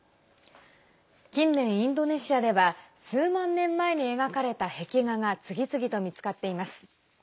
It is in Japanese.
近年、インドネシアでは数万年前に描かれた壁画が次々と見つかっています。